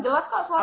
jelas kok suara kan